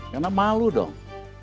karena malu dong